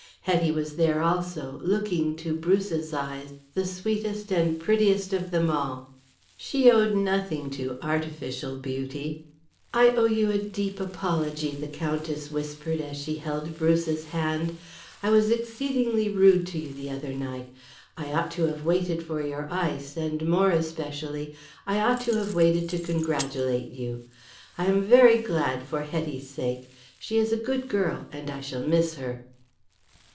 Hetty was there also, looking, to Bruce's eyes, the sweetest and prettiest of them all. She owed nothing to artificial beauty. "I owe you a deep apology," the Countess whispered, as she held Bruce's hand. "I was exceedingly rude to you the other night. I ought to have waited for your ice, and more especially, I ought to have waited to congratulate you. I am very glad for Hetty's sake. She is a good girl, and I shall miss her."